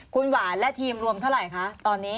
คุณหวานและทีมรวมเท่าไหร่คะตอนนี้